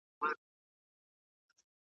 هغه له ټولو سره ډېر ښه چلند وکړ.